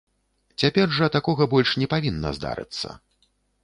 Цяпер жа такога больш не павінна здарыцца.